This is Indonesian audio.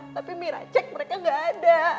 tapi mira cek mereka nggak ada